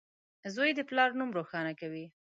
• زوی د پلار نوم روښانه کوي.